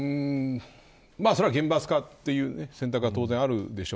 それは厳罰化という選択は当然あるでしょう。